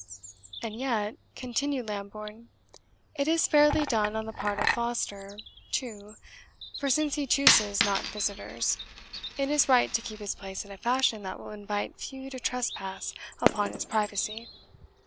"And yet," continued Lambourne, "it is fairly done on the part of Foster too for since he chooses not visitors, it is right to keep his place in a fashion that will invite few to trespass upon his privacy.